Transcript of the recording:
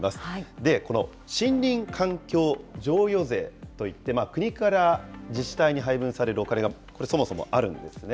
で、この森林環境譲与税といって、国から自治体に配分されるお金がそもそもあるんですね。